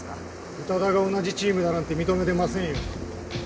宇多田が同じチームだなんて認めてませんよ。